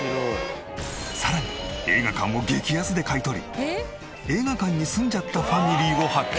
さらに映画館を激安で買い取り映画館に住んじゃったファミリーを発見。